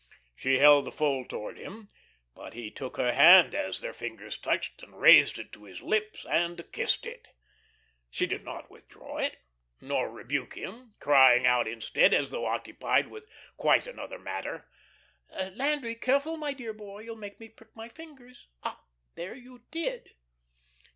She held the fold towards him. But he took her hand as their fingers touched and raised it to his lips and kissed it. She did not withdraw it, nor rebuke him, crying out instead, as though occupied with quite another matter: "Landry, careful, my dear boy; you'll make me prick my fingers. Ah there, you did."